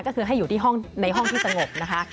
ก็คือไว้อยู่ห้องห้องที่สงบนะคะ